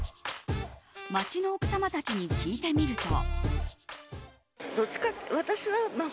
街の奥様たちに聞いてみると。